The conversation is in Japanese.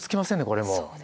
これもう。